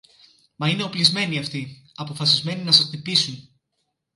Μα είναι οπλισμένοι αυτοί, αποφασισμένοι να σας χτυπήσουν